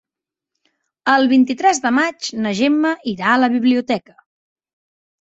El vint-i-tres de maig na Gemma irà a la biblioteca.